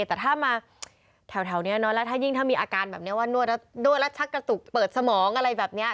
แต่ถ้ามาแถวนี้แล้วถ้ายิ่งถ้ามีอาการแบบนี้ว่านวดแล้วนวดแล้วชักกระตุกเปิดสมองอะไรแบบนี้